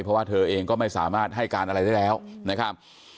เพราะว่าเธอเองก็ไม่สามารถให้การอะไรได้แล้วนะครับ